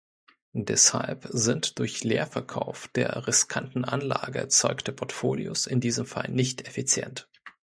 Deshalb sind durch Leerverkauf der riskanten Anlage erzeugte Portfolios in diesem Fall nicht effizient.